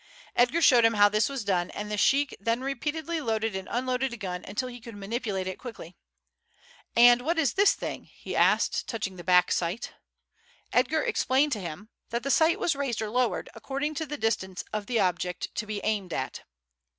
Edgar showed him how this was done, and the sheik then repeatedly loaded and unloaded the gun until he could manipulate it quickly. "And what is this thing?" he asked, touching the back sight. Edgar explained to him that the sight was raised or lowered according to the distance of the object to be aimed at.